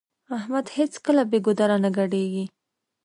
احمد هيڅکله بې ګودره نه ګډېږي.